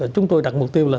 chúng tôi đặt mục tiêu là